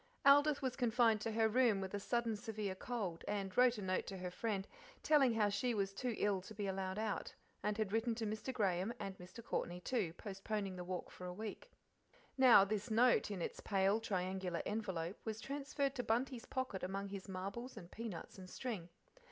Aldith was confined to her room with a sudden severe cold, and wrote a note to her friend, telling her how she was too ill to be allowed out, and had written to Mr. Graham, and Mr. Courtney, too, postponing the walk for a week. Now this note, in its pale pink triangular envelope, was transferred to Bunty's pocket among his marbles and peanuts and string.